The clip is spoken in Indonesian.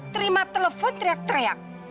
terima telepon teriak teriak